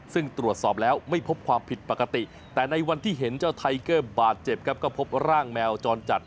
ซึ่งตรวจสอบแล้วไม่พบความผิดปกติแต่ในวันที่เห็นเจ้าไทเกอร์บาดเจ็บครับก็พบร่างแมวจรจัด